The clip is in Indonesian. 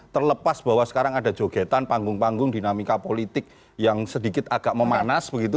terlepas bahwa sekarang ada jogetan panggung panggung dinamika politik yang sedikit agak memanas begitu